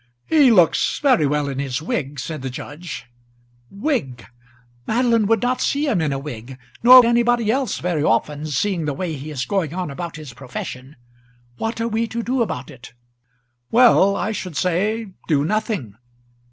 "He looks very well in his wig," said the judge. "Wig! Madeline would not see him in a wig; nor anybody else very often, seeing the way he is going on about his profession. What are we to do about it?" "Well. I should say, do nothing."